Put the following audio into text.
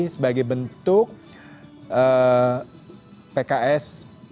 sebagai bentuk pks